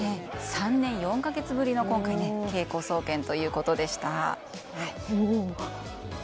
３年４か月ぶりの稽古総見ということでした。